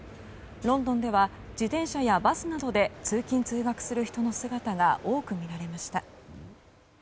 ロンドンでは自転車やバスなどで通勤・通学する人の姿が多く見られました。